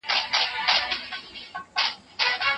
هغه نجلۍ چې په انټرنيټ کې کار کوي مشهوره ده.